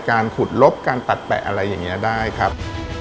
การขุดลบการตัดแปะอะไรอย่างนี้ได้ครับ